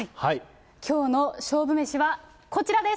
きょうの勝負メシは、こちらです。